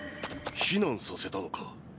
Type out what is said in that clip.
避難させたのか？